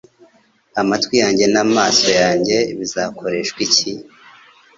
Amatwi yanjye n'amaso yanjye bizakoreshwa iki